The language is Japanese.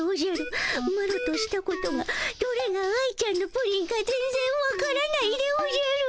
マロとしたことがどれが愛ちゃんのプリンか全ぜんわからないでおじゃる。